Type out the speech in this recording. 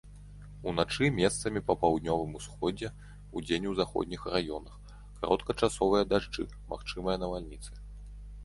Уначы месцамі па паўднёвым усходзе, удзень у заходніх раёнах кароткачасовыя дажджы, магчымыя навальніцы.